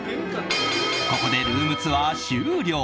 ここでルームツアー終了！